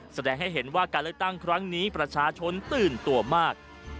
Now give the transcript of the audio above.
แสดงให้เห็นว่าการเลือกตั้งครั้งนี้ประชาชนตื่นตัวมาก